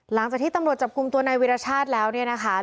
หลังจากที่ตำรวจจับกลุ่มตัวนายวิรชาติแล้วเนี่ยนะคะ